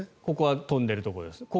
ここは飛んでるところです